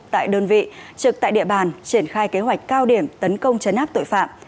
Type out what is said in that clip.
tại đơn vị trực tại địa bàn triển khai kế hoạch cao điểm tấn công chấn áp tội phạm